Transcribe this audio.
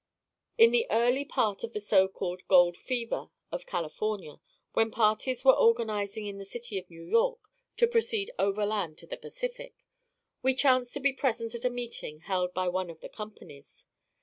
In the early part of the so called gold "fever" of California, when parties were organizing in the city of New York, to proceed overland to the Pacific, we chanced to be present at a meeting held by one of the companies.